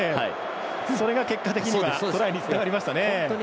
それが結果的にはトライにつながりましたね。